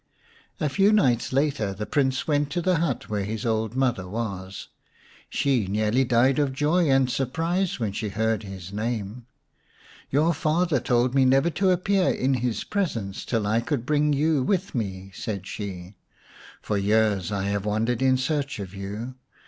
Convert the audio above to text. A few nights later the Prince went to the hut where his old mother was. She nearly died of joy and surprise when she heard his name. " Your father told me never to appear in his presence till I could bring you with me," said she. " For years I have wandered in search of you.